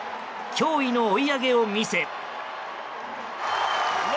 驚異の追い上げを見せ。